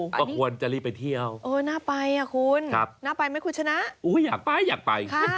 ก็ควรจะรีบไปเที่ยวเออน่าไปอ่ะคุณน่าไปไหมคุณชนะอยากไปอยากไป